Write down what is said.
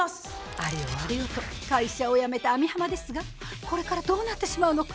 あれよと会社を辞めた網浜ですがこれからどうなってしまうのか？